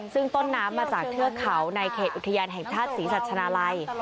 ซึ่งต้นน้ำมาจากเทือกเขาในเขตอุทยานแห่งชาติศรีสัชนาลัย